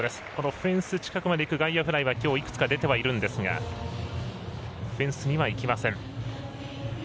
フェンス近くまでいく外野フライはきょういくつか出ているんですがフェンスにはいきません。